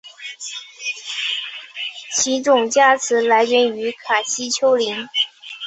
其种加词来源于卡西丘陵。